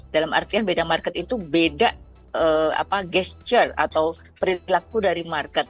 dalam artian beda market itu beda gesture atau perilaku dari market